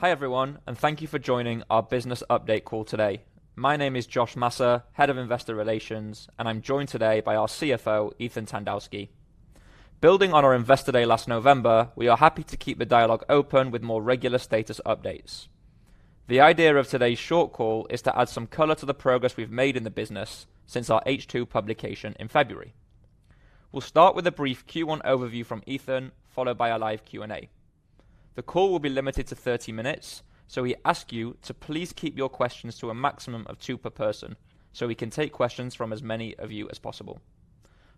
Hi everyone, and thank you for joining our business update call today. My name is Josh Msser, Head of Investor Relations, and I'm joined today by our CFO, Ethan Tandowsky. Building on our Investor Day last November, we are happy to keep the dialogue open with more regular status updates. The idea of today's short call is to add some color to the progress we've made in the business since our H2 publication in February. We'll start with a brief Q1 overview from Ethan, followed by a live Q&A. The call will be limited to 30 minutes, so we ask you to please keep your questions to a maximum of two per person so we can take questions from as many of you as possible.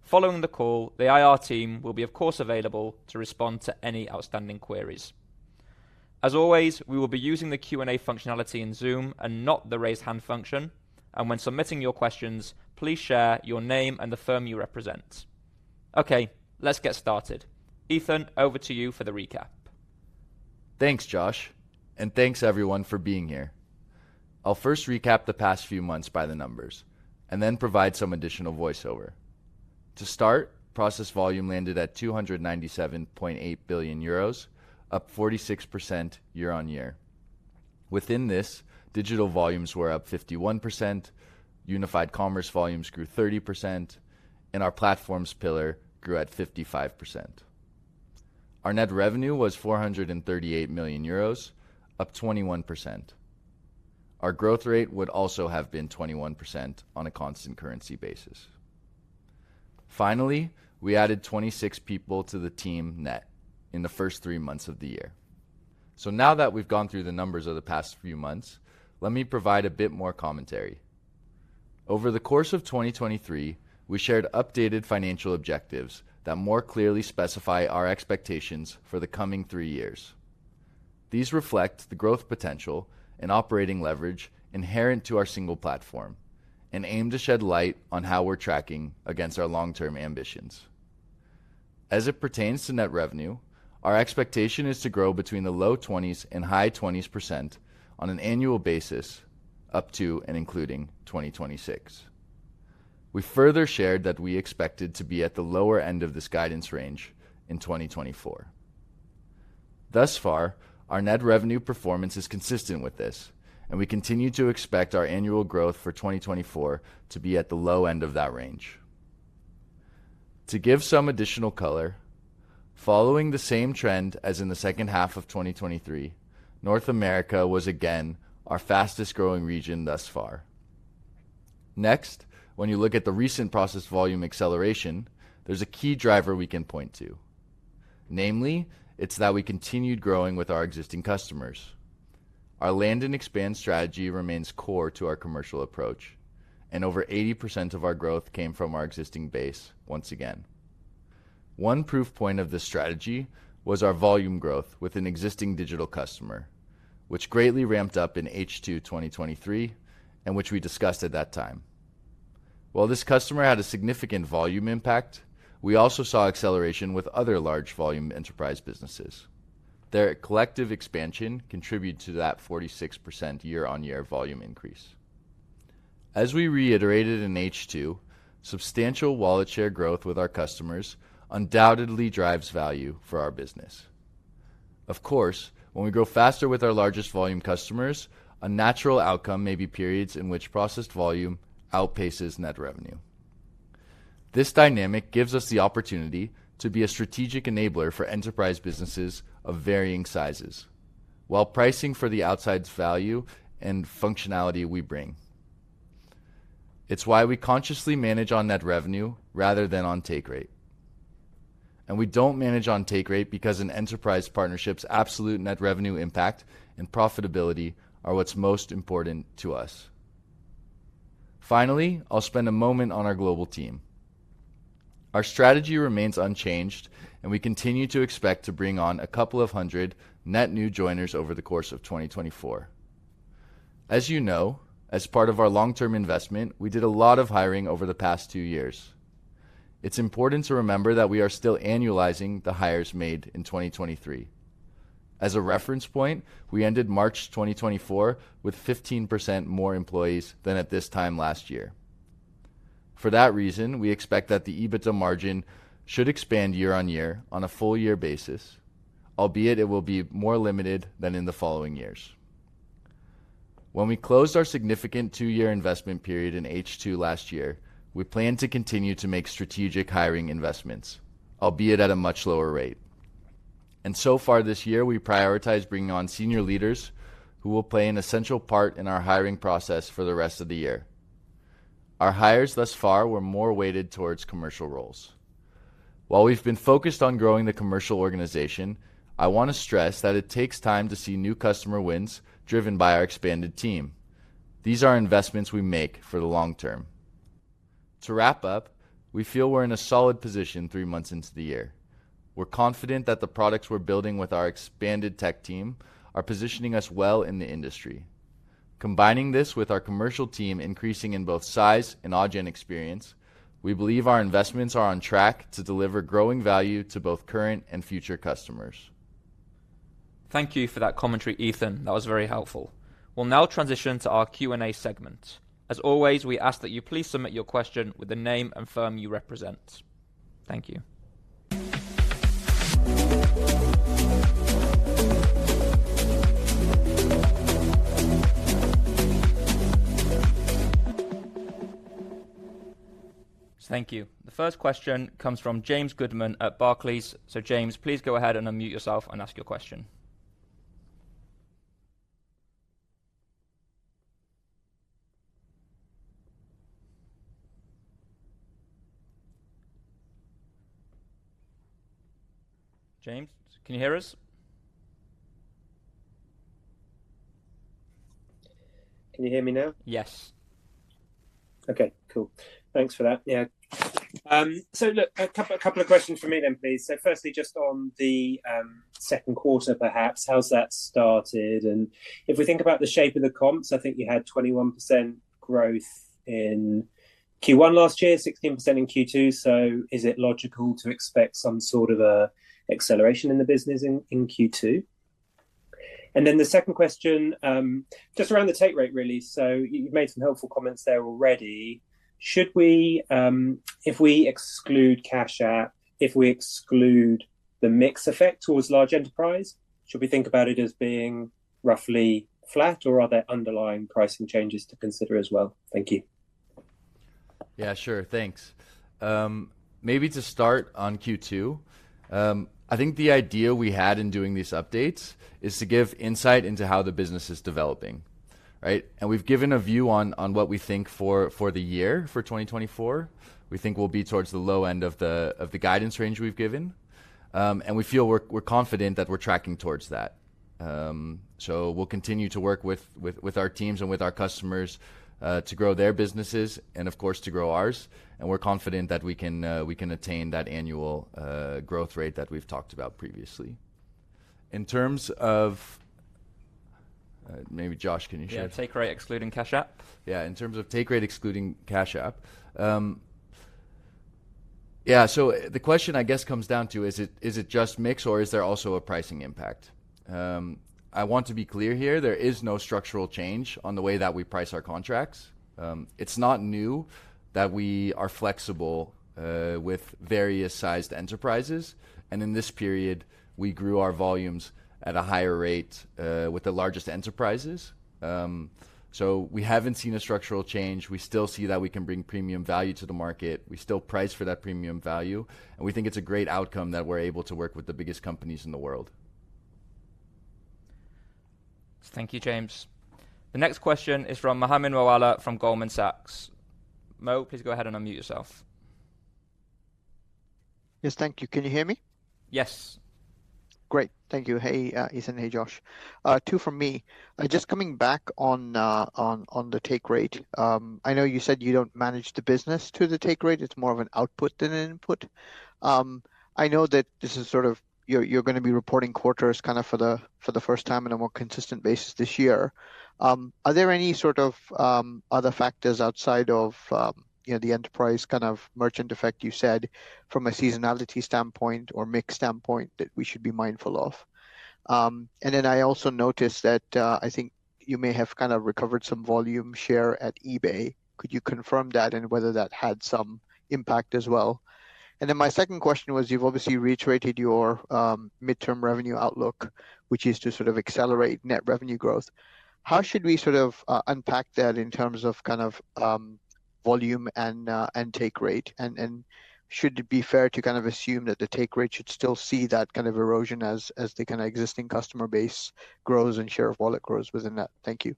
Following the call, the IR team will be, of course, available to respond to any outstanding queries. As always, we will be using the Q&A functionality in Zoom and not the raise hand function, and when submitting your questions, please share your name and the firm you represent. Okay, let's get started. Ethan, over to you for the recap. Thanks, Josh, and thanks everyone for being here. I'll first recap the past few months by the numbers, and then provide some additional voiceover. To start, processed volume landed at 297.8 billion euros, up 46% year-on-year. Within this, digital volumes were up 51%, unified commerce volumes grew 30%, and our platforms pillar grew at 55%. Our net revenue was 438 million euros, up 21%. Our growth rate would also have been 21% on a constant currency basis. Finally, we added 26 people to the team net in the first three months of the year. So now that we've gone through the numbers of the past few months, let me provide a bit more commentary. Over the course of 2023, we shared updated financial objectives that more clearly specify our expectations for the coming three years. These reflect the growth potential and operating leverage inherent to our single platform, and aim to shed light on how we're tracking against our long-term ambitions. As it pertains to net revenue, our expectation is to grow between the low 20% and high 20% on an annual basis, up to and including 2026. We further shared that we expected to be at the lower end of this guidance range in 2024. Thus far, our net revenue performance is consistent with this, and we continue to expect our annual growth for 2024 to be at the low end of that range. To give some additional color, following the same trend as in the second half of 2023, North America was, again, our fastest-growing region thus far. Next, when you look at the recent processed volume acceleration, there's a key driver we can point to. Namely, it's that we continued growing with our existing customers. Our Land-and-expand strategy remains core to our commercial approach, and over 80% of our growth came from our existing base once again. One proof point of this strategy was our volume growth with an existing digital customer, which greatly ramped up in H2 2023 and which we discussed at that time. While this customer had a significant volume impact, we also saw acceleration with other large volume enterprise businesses. Their collective expansion contributed to that 46% year-over-year volume increase. As we reiterated in H2, substantial wallet-share growth with our customers undoubtedly drives value for our business. Of course, when we grow faster with our largest volume customers, a natural outcome may be periods in which processed volume outpaces net revenue. This dynamic gives us the opportunity to be a strategic enabler for enterprise businesses of varying sizes, while pricing for the outsized value and functionality we bring. It's why we consciously manage on net revenue rather than on take rate. We don't manage on take rate because an enterprise partnership's absolute net revenue impact and profitability are what's most important to us. Finally, I'll spend a moment on our global team. Our strategy remains unchanged, and we continue to expect to bring on a couple of hundred net new joiners over the course of 2024. As you know, as part of our long-term investment, we did a lot of hiring over the past two years. It's important to remember that we are still annualizing the hires made in 2023. As a reference point, we ended March 2024 with 15% more employees than at this time last year. For that reason, we expect that the EBITDA margin should expand year-on-year on a full-year basis, albeit it will be more limited than in the following years. When we closed our significant two-year investment period in H2 last year, we plan to continue to make strategic hiring investments, albeit at a much lower rate. So far this year, we prioritize bringing on senior leaders who will play an essential part in our hiring process for the rest of the year. Our hires thus far were more weighted towards commercial roles. While we've been focused on growing the commercial organization, I want to stress that it takes time to see new customer wins driven by our expanded team. These are investments we make for the long term. To wrap up, we feel we're in a solid position three months into the year. We're confident that the products we're building with our expanded tech team are positioning us well in the industry. Combining this with our commercial team increasing in both size and depth of experience, we believe our investments are on track to deliver growing value to both current and future customers. Thank you for that commentary, Ethan. That was very helpful. We'll now transition to our Q&A segment. As always, we ask that you please submit your question with the name and firm you represent. Thank you. So thank you. The first question comes from James Goodman at Barclays. So James, please go ahead and unmute yourself and ask your question. James, can you hear us? Can you hear me now? Yes. Okay, cool. Thanks for that. Yeah. So look, a couple of questions for me then, please. So firstly, just on the second quarter, perhaps, how's that started? And if we think about the shape of the comps, I think you had 21% growth in Q1 last year, 16% in Q2. So is it logical to expect some sort of a acceleration in the business in Q2? And then the second question, just around the take rate, really. So you've made some helpful comments there already. Should we, if we exclude Cash App, if we exclude the mix effect towards large enterprise, think about it as being roughly flat, or are there underlying pricing changes to consider as well? Thank you. Yeah, sure. Thanks. Maybe to start on Q2, I think the idea we had in doing these updates is to give insight into how the business is developing, right? And we've given a view on what we think for the year, for 2024. We think we'll be towards the low end of the guidance range we've given. We feel we're confident that we're tracking towards that. We'll continue to work with our teams and with our customers, to grow their businesses and, of course, to grow ours. We're confident that we can attain that annual growth rate that we've talked about previously. In terms of, maybe Josh, can you share? Yeah, take rate excluding Cash App? Yeah, in terms of take rate excluding Cash App, yeah, so the question I guess comes down to is it just mix, or is there also a pricing impact? I want to be clear here, there is no structural change on the way that we price our contracts. It's not new that we are flexible with various-sized enterprises. And in this period, we grew our volumes at a higher rate with the largest enterprises. So we haven't seen a structural change. We still see that we can bring premium value to the market. We still price for that premium value. And we think it's a great outcome that we're able to work with the biggest companies in the world. Thank you, James. The next question is from Mohammed Moawalla from Goldman Sachs. Mo, please go ahead and unmute yourself. Yes, thank you. Can you hear me? Yes. Great. Thank you. Hey, Ethan. Hey, Josh. Two from me. Just coming back on the take rate, I know you said you don't manage the business to the take rate. It's more of an output than an input. I know that this is sort of you're going to be reporting quarters kind of for the first time on a more consistent basis this year. Are there any sort of other factors outside of, you know, the enterprise kind of merchant effect you said from a seasonality standpoint or mix standpoint that we should be mindful of? And then I also noticed that, I think you may have kind of recovered some volume share at eBay. Could you confirm that and whether that had some impact as well? And then my second question was, you've obviously reiterated your mid-term revenue outlook, which is to sort of accelerate net revenue growth. How should we sort of unpack that in terms of kind of volume and take rate? And should it be fair to kind of assume that the take rate should still see that kind of erosion as the kind of existing customer base grows and share of wallet grows within that? Thank you.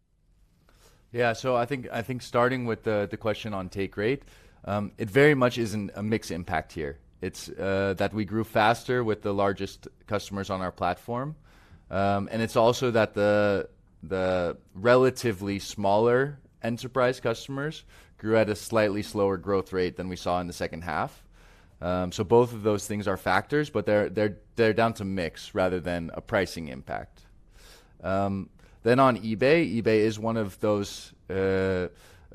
Yeah, so I think starting with the question on take rate, it very much isn't a mix impact here. It's that we grew faster with the largest customers on our platform. And it's also that the relatively smaller enterprise customers grew at a slightly slower growth rate than we saw in the second half. So both of those things are factors, but they're down to mix rather than a pricing impact. Then on eBay, eBay is one of those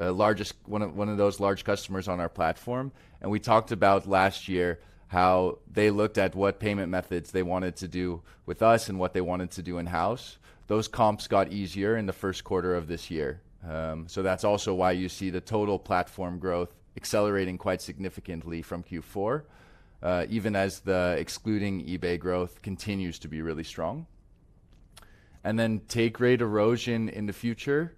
large customers on our platform. And we talked about last year how they looked at what payment methods they wanted to do with us and what they wanted to do in-house. Those comps got easier in the first quarter of this year. So that's also why you see the total platform growth accelerating quite significantly from Q4, even as the excluding eBay growth continues to be really strong. And then take rate erosion in the future,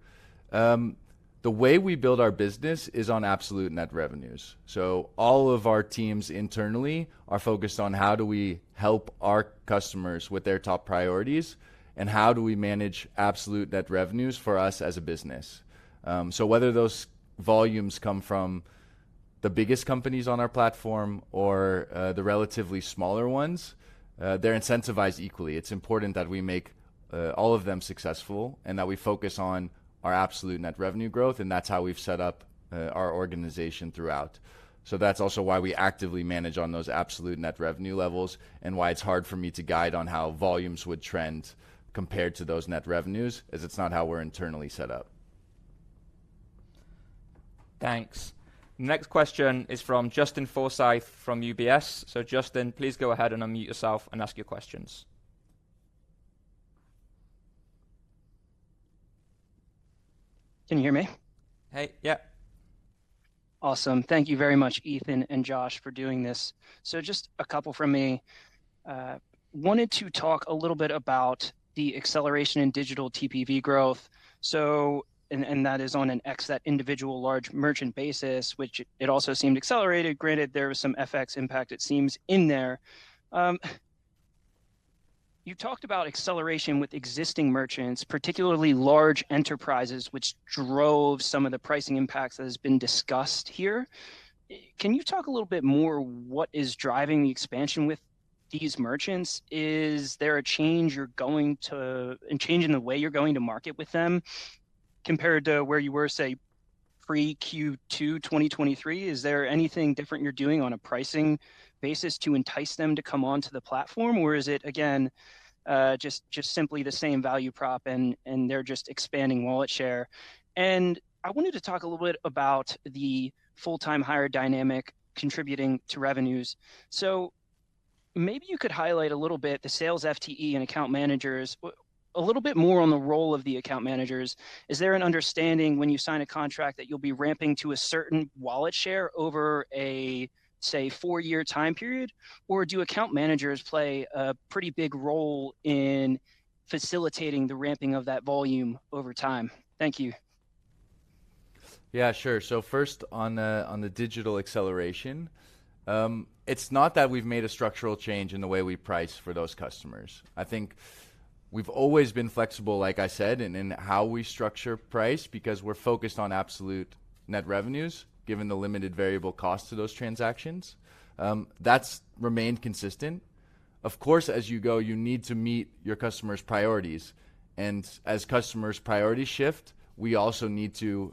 the way we build our business is on absolute net revenues. So all of our teams internally are focused on how do we help our customers with their top priorities, and how do we manage absolute net revenues for us as a business. So whether those volumes come from the biggest companies on our platform or the relatively smaller ones, they're incentivized equally. It's important that we make all of them successful and that we focus on our absolute net revenue growth. And that's how we've set up our organization throughout. So that's also why we actively manage on those absolute net revenue levels and why it's hard for me to guide on how volumes would trend compared to those net revenues, as it's not how we're internally set up. Thanks. Next question is from Justin Forsyth from UBS. So Justin, please go ahead and unmute yourself and ask your questions. Can you hear me? Hey. Yeah. Awesome. Thank you very much, Ethan and Josh, for doing this. So just a couple from me, wanted to talk a little bit about the acceleration in digital TPV growth. So and, and that is on an ex that individual large merchant basis, which it also seemed accelerated. Granted, there was some FX impact, it seems, in there. You talked about acceleration with existing merchants, particularly large enterprises, which drove some of the pricing impacts that has been discussed here. Can you talk a little bit more what is driving the expansion with these merchants? Is there a change you're going to and change in the way you're going to market with them compared to where you were, say, pre-Q2 2023? Is there anything different you're doing on a pricing basis to entice them to come onto the platform, or is it, again, just, just simply the same value prop and, and they're just expanding wallet share? I wanted to talk a little bit about the full-time hire dynamic contributing to revenues. Maybe you could highlight a little bit the sales FTE and account managers a little bit more on the role of the account managers. Is there an understanding when you sign a contract that you'll be ramping to a certain wallet share over a, say, four-year time period? Or do account managers play a pretty big role in facilitating the ramping of that volume over time? Thank you. Yeah, sure. So first, on the digital acceleration, it's not that we've made a structural change in the way we price for those customers. I think we've always been flexible, like I said, in how we structure price because we're focused on absolute net revenues given the limited variable cost to those transactions. That's remained consistent. Of course, as you go, you need to meet your customers' priorities. And as customers' priorities shift, we also need to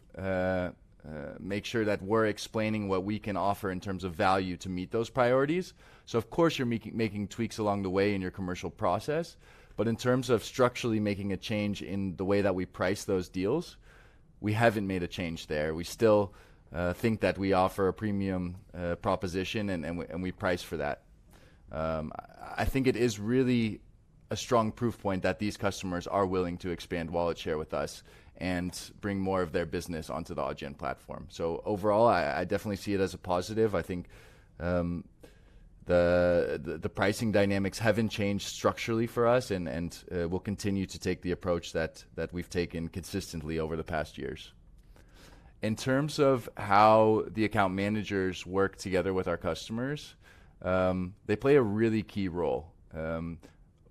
make sure that we're explaining what we can offer in terms of value to meet those priorities. So of course, you're making tweaks along the way in your commercial process. But in terms of structurally making a change in the way that we price those deals, we haven't made a change there. We still think that we offer a premium proposition and we price for that. I think it is really a strong proof point that these customers are willing to expand wallet share with us and bring more of their business onto the Adyen platform. So overall, I definitely see it as a positive. I think the pricing dynamics haven't changed structurally for us and we'll continue to take the approach that we've taken consistently over the past years. In terms of how the account managers work together with our customers, they play a really key role,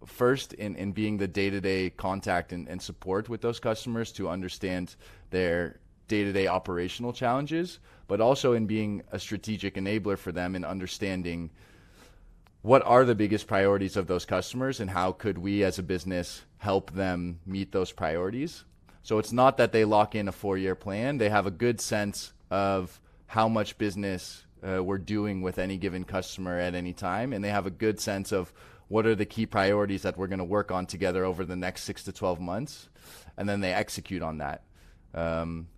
first in being the day-to-day contact and support with those customers to understand their day-to-day operational challenges, but also in being a strategic enabler for them in understanding what are the biggest priorities of those customers and how could we as a business help them meet those priorities. So it's not that they lock in a four-year plan. They have a good sense of how much business we're doing with any given customer at any time. And they have a good sense of what are the key priorities that we're going to work on together over the next 6-12 months. And then they execute on that.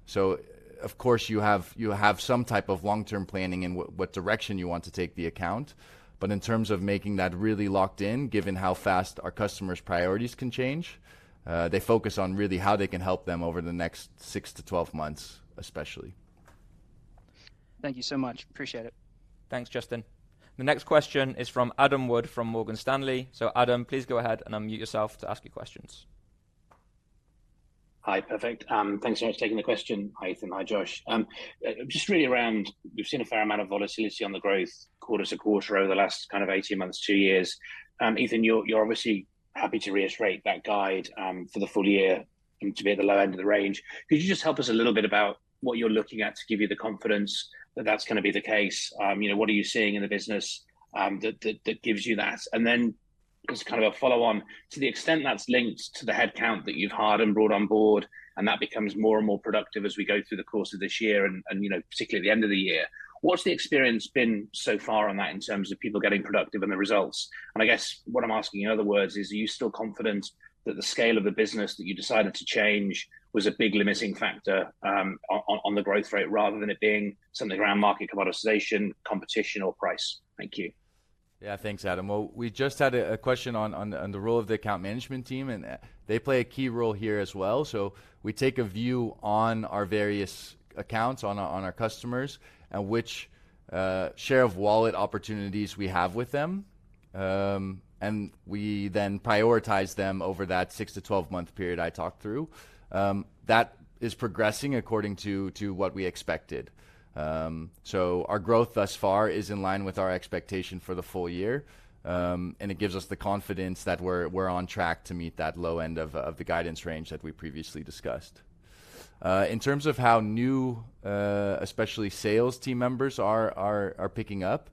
So of course, you have some type of long-term planning in what direction you want to take the account. But in terms of making that really locked in, given how fast our customers' priorities can change, they focus on really how they can help them over the next 6-12 months, especially. Thank you so much. Appreciate it. Thanks, Justin. The next question is from Adam Wood from Morgan Stanley. So Adam, please go ahead and unmute yourself to ask your questions. Hi. Perfect. Thanks so much for taking the question, Ethan. Hi, Josh. Just really around we've seen a fair amount of volatility on the growth quarter to quarter over the last kind of 18 months, two years. Ethan, you're obviously happy to reiterate that guide for the full year and to be at the low end of the range. Could you just help us a little bit about what you're looking at to give you the confidence that that's going to be the case? You know, what are you seeing in the business that gives you that? And then just kind of a follow-on, to the extent that's linked to the headcount that you've hired and brought on board and that becomes more and more productive as we go through the course of this year and, you know, particularly at the end of the year, what's the experience been so far on that in terms of people getting productive and the results? And I guess what I'm asking in other words is, are you still confident that the scale of the business that you decided to change was a big limiting factor, on, on, on the growth rate rather than it being something around market commoditization, competition, or price? Thank you. Yeah, thanks, Adam. Well, we just had a question on the role of the account management team. And they play a key role here as well. So we take a view on our various accounts, on our customers, and which share of wallet opportunities we have with them. And we then prioritize them over that 6-12-month period I talked through. That is progressing according to what we expected. So our growth thus far is in line with our expectation for the full year. And it gives us the confidence that we're on track to meet that low end of the guidance range that we previously discussed. In terms of how new, especially sales team members are picking up,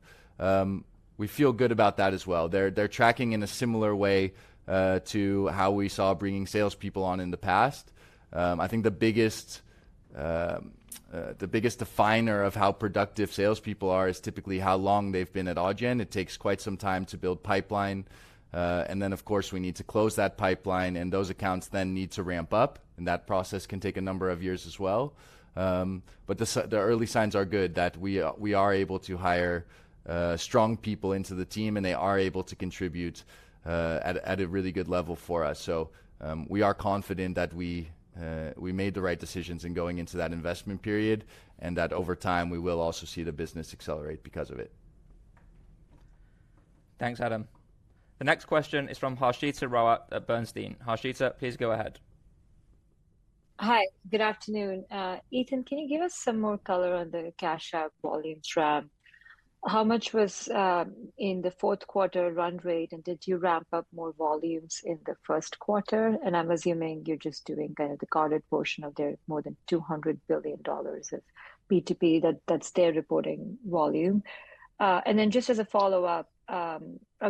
we feel good about that as well. They're tracking in a similar way to how we saw bringing salespeople on in the past. I think the biggest definer of how productive salespeople are is typically how long they've been at Adyen. It takes quite some time to build pipeline, and then, of course, we need to close that pipeline. And those accounts then need to ramp up. And that process can take a number of years as well, but the early signs are good that we are able to hire strong people into the team. And they are able to contribute at a really good level for us. So, we are confident that we made the right decisions in going into that investment period and that over time, we will also see the business accelerate because of it. Thanks, Adam. The next question is from Harshita Rawat at Bernstein. Harshita, please go ahead. Hi. Good afternoon. Ethan, can you give us some more color on the Cash App volumes ramp? How much was, in the fourth quarter run rate? And did you ramp up more volumes in the first quarter? And I'm assuming you're just doing kind of the carded portion of their more than $200 billion of P2P that that's their reporting volume. And then just as a follow-up, a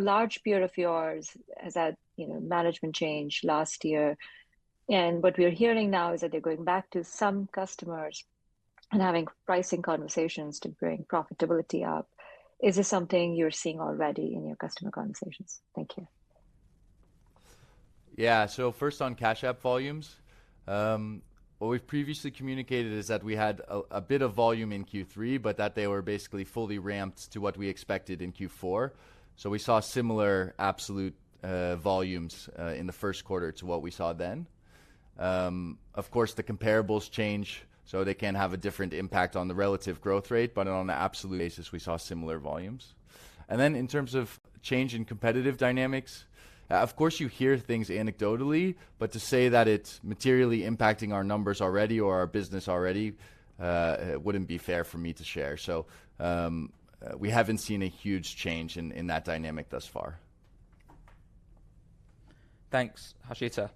large peer of yours has had, you know, management change last year. And what we're hearing now is that they're going back to some customers and having pricing conversations to bring profitability up. Is this something you're seeing already in your customer conversations? Thank you. Yeah. So first, on Cash App volumes, what we've previously communicated is that we had a bit of volume in Q3, but that they were basically fully ramped to what we expected in Q4. So we saw similar absolute volumes in the first quarter to what we saw then. Of course, the comparables change, so they can have a different impact on the relative growth rate. But on an absolute basis, we saw similar volumes. And then in terms of change in competitive dynamics, of course, you hear things anecdotally. But to say that it's materially impacting our numbers already or our business already, it wouldn't be fair for me to share. So, we haven't seen a huge change in that dynamic thus far. Thanks, Harshita.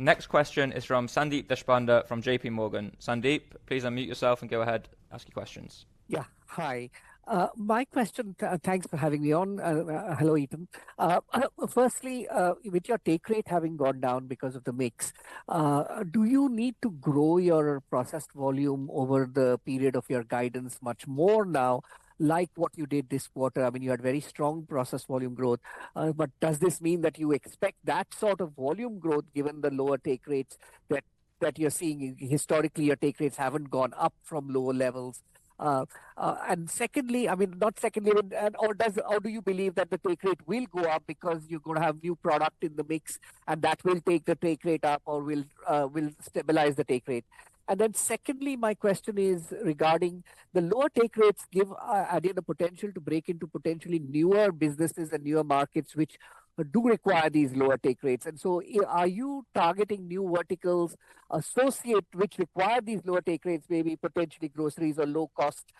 Next question is from Sandeep Deshpande from J.P. Morgan. Sandeep, please unmute yourself and go ahead, ask your questions. Yeah. Hi. My question, thanks for having me on. Hello, Ethan. Firstly, with your take rate having gone down because of the mix, do you need to grow your processed volume over the period of your guidance much more now, like what you did this quarter? I mean, you had very strong processed volume growth. But does this mean that you expect that sort of volume growth given the lower take rates that, that you're seeing? Historically, your take rates haven't gone up from lower levels. And secondly, I mean, not secondly, but and or does how do you believe that the take rate will go up because you're going to have new product in the mix, and that will take the take rate up or will, will stabilize the take rate? Then secondly, my question is regarding the lower take rates given Adyen the potential to break into potentially newer businesses and newer markets which do require these lower take rates. And so are you targeting new verticals associated which require these lower take rates, maybe potentially groceries or low-cost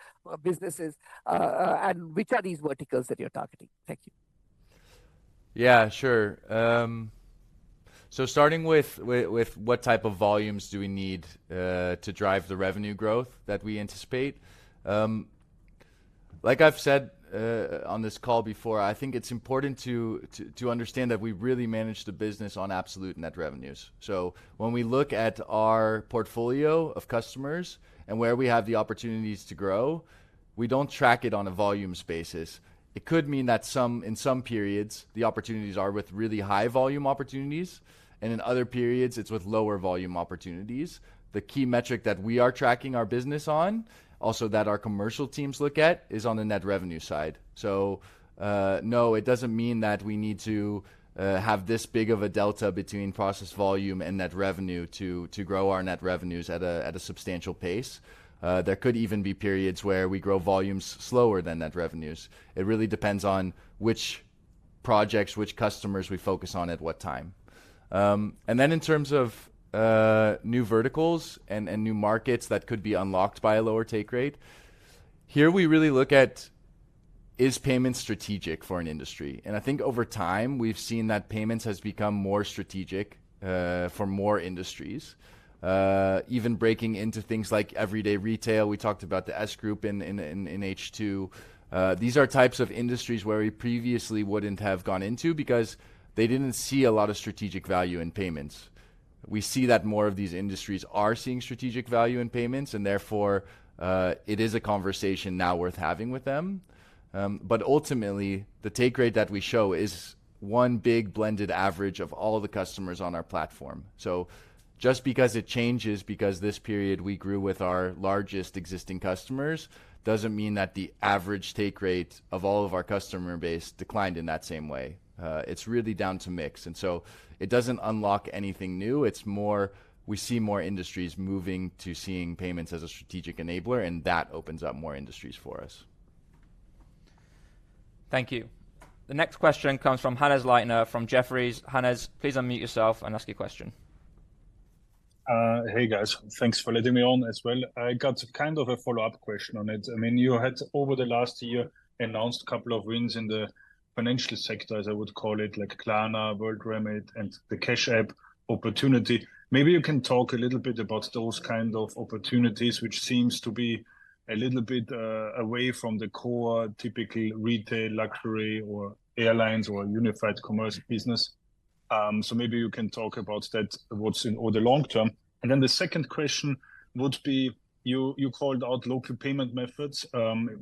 businesses? And which are these verticals that you're targeting? Thank you. Yeah, sure. So starting with what type of volumes do we need to drive the revenue growth that we anticipate? Like I've said on this call before, I think it's important to understand that we really manage the business on absolute net revenues. So when we look at our portfolio of customers and where we have the opportunities to grow, we don't track it on a volumes basis. It could mean that in some periods, the opportunities are with really high volume opportunities. And in other periods, it's with lower volume opportunities. The key metric that we are tracking our business on, also that our commercial teams look at, is on the net revenue side. So, no, it doesn't mean that we need to have this big of a delta between processed volume and net revenue to grow our net revenues at a substantial pace. There could even be periods where we grow volumes slower than net revenues. It really depends on which projects, which customers we focus on at what time. And then in terms of new verticals and new markets that could be unlocked by a lower take rate, here we really look at is payment strategic for an industry? And I think over time, we've seen that payments has become more strategic for more industries, even breaking into things like everyday retail. We talked about the S Group in H2. These are types of industries where we previously wouldn't have gone into because they didn't see a lot of strategic value in payments. We see that more of these industries are seeing strategic value in payments. Therefore, it is a conversation now worth having with them. But ultimately, the take rate that we show is one big blended average of all of the customers on our platform. So just because it changes because this period we grew with our largest existing customers doesn't mean that the average take rate of all of our customer base declined in that same way. It's really down to mix. And so it doesn't unlock anything new. It's more we see more industries moving to seeing payments as a strategic enabler. And that opens up more industries for us. Thank you. The next question comes from Hannes Leitner from Jefferies. Hannes, please unmute yourself and ask your question. Hey, guys. Thanks for letting me on as well. I got kind of a follow-up question on it. I mean, you had over the last year announced a couple of wins in the financial sector, as I would call it, like Klarna, WorldRemit, and the Cash App opportunity. Maybe you can talk a little bit about those kind of opportunities, which seems to be a little bit away from the core typical retail, luxury, or airlines or unified commerce business. So maybe you can talk about that, what's in store long term. And then the second question would be you, you called out local payment methods.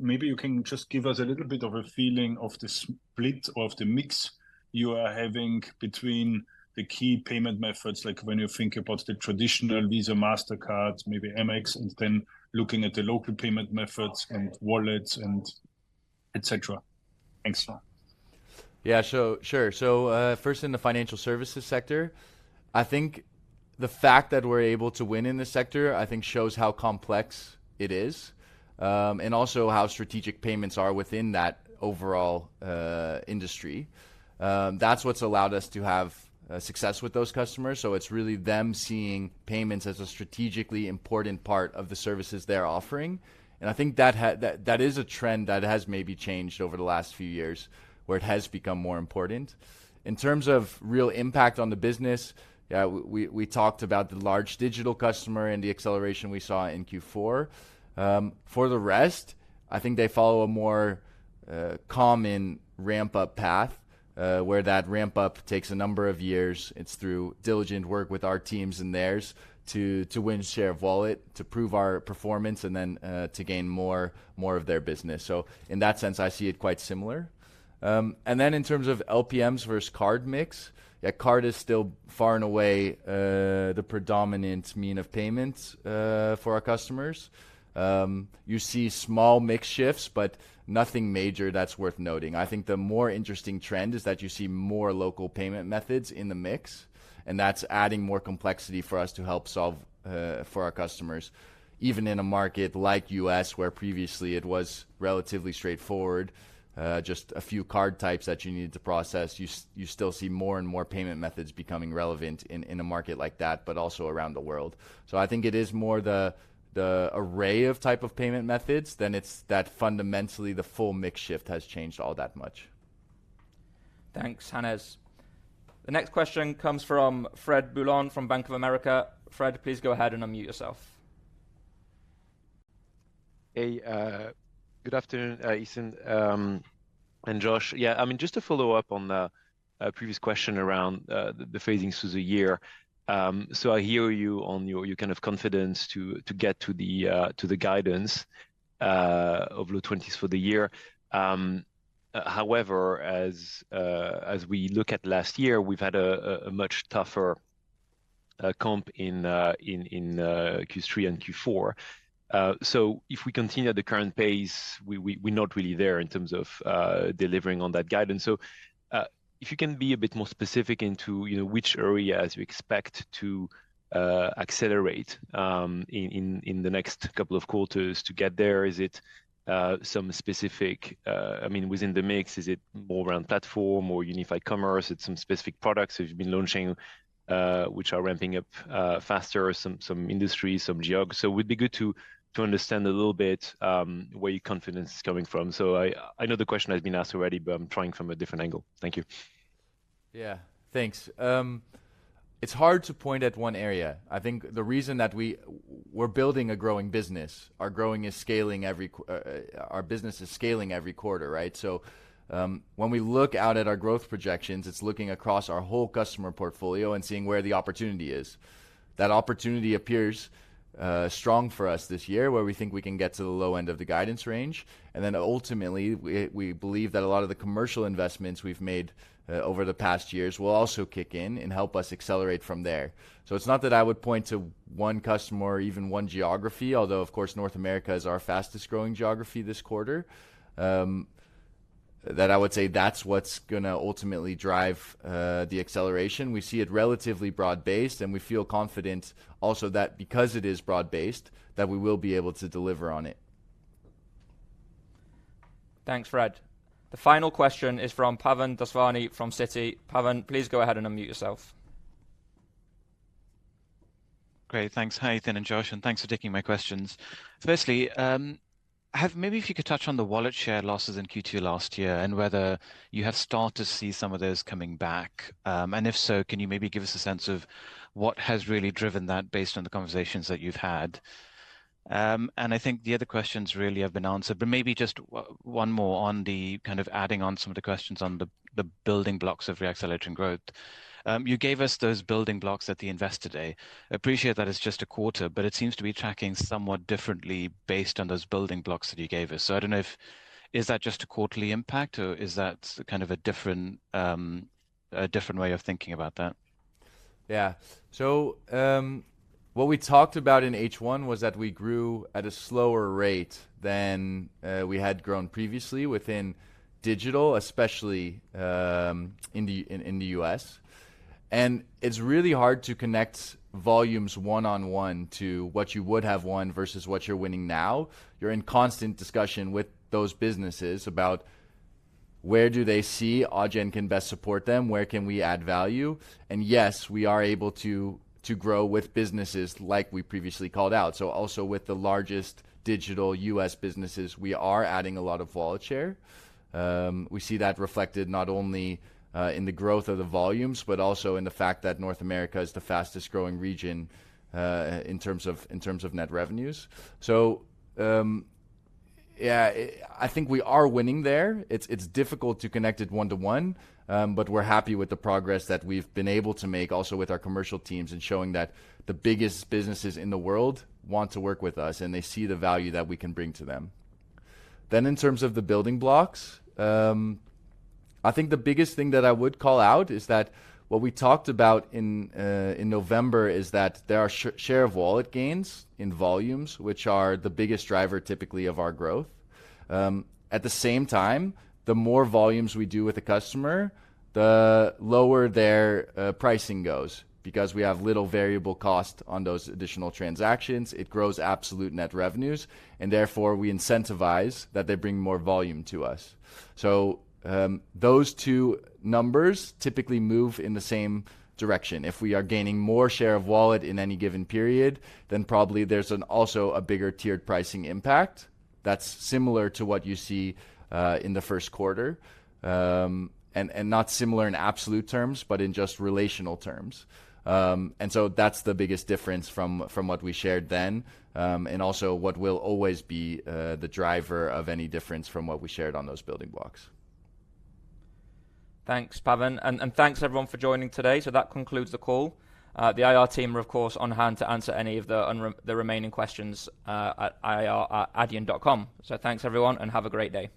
Maybe you can just give us a little bit of a feeling of the split or of the mix you are having between the key payment methods, like when you think about the traditional Visa, Mastercard, maybe Amex, and then looking at the local payment methods and wallets and etc. Thanks, John. Yeah, sure. Sure. So, first, in the financial services sector, I think the fact that we're able to win in this sector, I think, shows how complex it is, and also how strategic payments are within that overall industry. That's what's allowed us to have success with those customers. So it's really them seeing payments as a strategically important part of the services they're offering. And I think that that is a trend that has maybe changed over the last few years, where it has become more important. In terms of real impact on the business, yeah, we talked about the large digital customer and the acceleration we saw in Q4. For the rest, I think they follow a more common ramp-up path, where that ramp-up takes a number of years. It's through diligent work with our teams and theirs to win share of wallet, to prove our performance, and then to gain more of their business. So in that sense, I see it quite similar. Then in terms of LPMs versus card mix, yeah, card is still far and away the predominant means of payments for our customers. You see small mix shifts, but nothing major that's worth noting. I think the more interesting trend is that you see more local payment methods in the mix. And that's adding more complexity for us to help solve for our customers, even in a market like the U.S., where previously it was relatively straightforward, just a few card types that you needed to process. You still see more and more payment methods becoming relevant in a market like that, but also around the world. I think it is more the array of types of payment methods than that it's fundamentally the full mix shift has changed all that much. Thanks, Hannes. The next question comes from Fred Boulan from Bank of America. Fred, please go ahead and unmute yourself. Hey, good afternoon, Ethan and Josh. Yeah, I mean, just to follow up on a previous question around the phasing through the year. So I hear you on your kind of confidence to get to the guidance of low-20s for the year. However, as we look at last year, we've had a much tougher comp in Q3 and Q4. So if we continue at the current pace, we're not really there in terms of delivering on that guidance. So, if you can be a bit more specific into you know, which areas you expect to accelerate in the next couple of quarters to get there, is it some specific, I mean, within the mix, is it more around platform or Unified Commerce? It's some specific products that you've been launching, which are ramping up faster, some industries, some geographies. So it would be good to understand a little bit where your confidence is coming from. So I know the question has been asked already, but I'm trying from a different angle. Thank you. Yeah, thanks. It's hard to point at one area. I think the reason that we're building a growing business, our business is scaling every quarter, right? So, when we look out at our growth projections, it's looking across our whole customer portfolio and seeing where the opportunity is. That opportunity appears strong for us this year, where we think we can get to the low end of the guidance range. And then ultimately, we believe that a lot of the commercial investments we've made over the past years will also kick in and help us accelerate from there. So it's not that I would point to one customer or even one geography, although, of course, North America is our fastest growing geography this quarter. That I would say that's what's going to ultimately drive the acceleration. We see it relatively broad-based. We feel confident also that because it is broad-based, that we will be able to deliver on it. Thanks, Fred. The final question is from Pavan Daswani from Citi. Pavan, please go ahead and unmute yourself. Great. Thanks, Ethan and Josh. And thanks for taking my questions. Firstly, have maybe if you could touch on the wallet share losses in Q2 last year and whether you have started to see some of those coming back. And if so, can you maybe give us a sense of what has really driven that based on the conversations that you've had? And I think the other questions really have been answered. But maybe just one more on the kind of adding on some of the questions on the, the building blocks of reaccelerating growth. You gave us those building blocks at the Investor Day. Appreciate that it's just a quarter, but it seems to be tracking somewhat differently based on those building blocks that you gave us. I don't know if that is just a quarterly impact, or is that kind of a different way of thinking about that? Yeah. So, what we talked about in H1 was that we grew at a slower rate than we had grown previously within digital, especially in the U.S. And it's really hard to connect volumes one-on-one to what you would have won versus what you're winning now. You're in constant discussion with those businesses about where do they see Adyen can best support them, where can we add value. And yes, we are able to grow with businesses like we previously called out. So also with the largest digital U.S. businesses, we are adding a lot of wallet share. We see that reflected not only in the growth of the volumes, but also in the fact that North America is the fastest growing region in terms of net revenues. So, yeah, I think we are winning there. It's difficult to connect it one-to-one. But we're happy with the progress that we've been able to make, also with our commercial teams and showing that the biggest businesses in the world want to work with us, and they see the value that we can bring to them. Then in terms of the building blocks, I think the biggest thing that I would call out is that what we talked about in November is that there are share of wallet gains in volumes, which are the biggest driver typically of our growth. At the same time, the more volumes we do with a customer, the lower their pricing goes because we have little variable cost on those additional transactions. It grows absolute net revenues. And therefore, we incentivize that they bring more volume to us. So, those two numbers typically move in the same direction. If we are gaining more share of wallet in any given period, then probably there's also a bigger tiered pricing impact that's similar to what you see in the first quarter, and not similar in absolute terms, but in just relational terms. And so that's the biggest difference from what we shared then, and also what will always be the driver of any difference from what we shared on those building blocks. Thanks, Pavan. And thanks, everyone, for joining today. So that concludes the call. The IR team are, of course, on hand to answer any of the remaining questions, at IR@Adyen.com. So thanks, everyone, and have a great day.